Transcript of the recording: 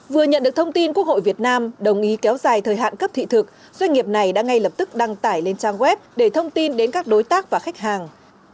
vừa nhận được thông tin quốc hội việt nam đồng ý kéo dài thời hạn cấp thị thực doanh nghiệp này đã ngay lập tức đăng tải lên trang web để thông tin đến các đối tác và khách hàng